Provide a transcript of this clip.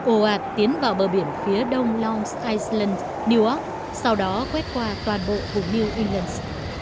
ố ạt tiến vào bờ biển phía đông long island newark sau đó quét qua toàn bộ vùng new england